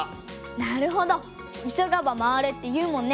なるほど「急がば回れ」っていうもんね！